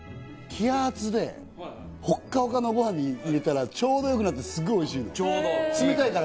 冷や熱でほっかほかのご飯に入れたらちょうどよくなってすっごいおいしいの冷たいから